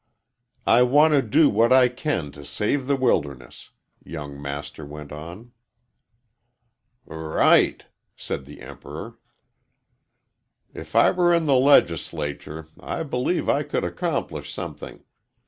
"I want to do what I can to save the wilderness," young Master went on. "R right!" said the Emperor. "If I were in the Legislature, I believe I could accomplish something.